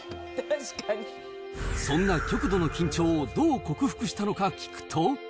そんな極度の緊張をどう克服したのか聞くと。